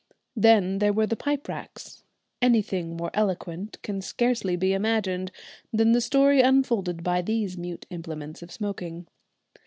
Then there were the pipe racks. Anything more eloquent can scarcely be imagined than the story unfolded by these mute implements of smoking.